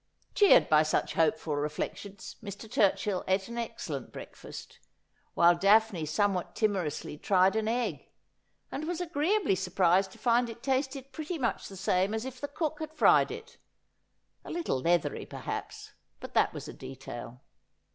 Cheered by such hopeful reflections, Mr. Turchill ate an excellent breakfast, while Daphne somewhat timorously tried an egg, and was agreeably surprised to find it tasted pretty much the same as if the cook had fried it ; a little leathery, perhaps, but that was a detail.